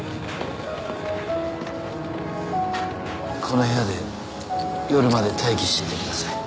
この部屋で夜まで待機していてください